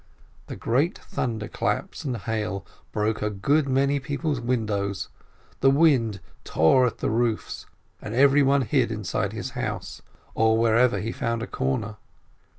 The great thunder claps and the hail broke a good many people's windows, the wind tore at the roofs, and everyone hid inside his house, or wherever he found a corner.